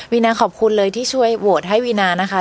นาขอบคุณเลยที่ช่วยโหวตให้วีนานะคะ